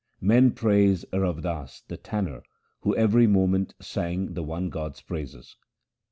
Men praise Rav Das the tanner who every moment sang the one God's praises.